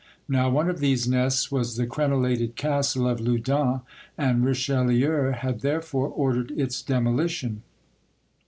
Now one of these nests was the crenellated castle of Loudun, and Richelieu had therefore ordered its demolition.